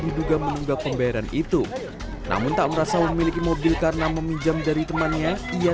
diduga menunggak pembayaran itu namun tak merasa memiliki mobil karena meminjam dari temannya ia